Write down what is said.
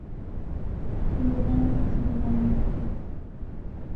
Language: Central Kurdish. هیوادارم کەسم بێزار نەکردبێت.